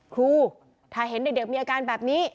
ครูถ้าเห็นเด็กมีอาการแบบนี้